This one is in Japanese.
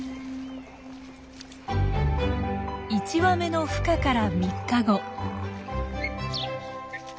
１羽目のふ化から３日後。